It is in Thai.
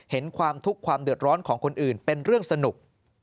ความทุกข์ความเดือดร้อนของคนอื่นเป็นเรื่องสนุก